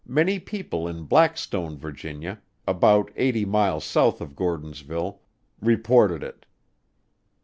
many people in Blackstone, Virginia, about 80 miles south of Gordonsville, reported it.